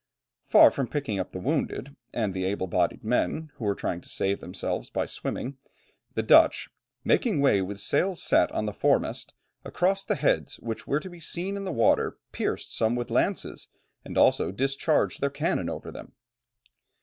Far from picking up the wounded and the able bodied men, who were trying to save themselves by swimming, the Dutch, "making way with sails set on the foremast, across the heads which were to be seen in the water, pierced some with lances, and also discharged their cannon over them."